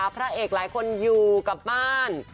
พระเอกหลายคนอยู่กับบ้าน